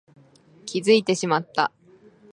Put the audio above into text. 気づいてしまった